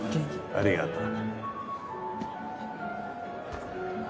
ありがとう。